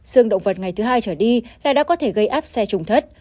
sương động vật ngày thứ hai trở đi là đã có thể gây áp xe trùng thất